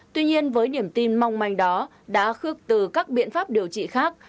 tuy nhiên với niềm tin mong manh đó đã khước từ các biện pháp điều trị khác